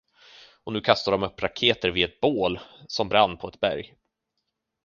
Och nu kastade de upp raketer vid ett bål, som brann på ett berg.